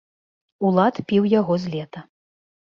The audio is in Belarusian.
Улад піў яго з лета.